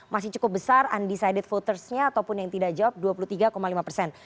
masih cukup besar undecided votersnya ataupun yang tidak jawab dua puluh tiga lima persen